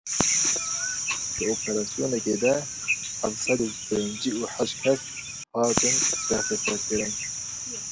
Di operasyonekê de heft sed û pêncî û heşt kes hatin desteserkirin.